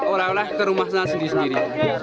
orang orang ke rumah sendiri sendiri